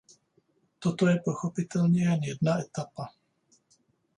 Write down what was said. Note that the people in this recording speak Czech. Toto je ale pochopitelně jen jedna etapa.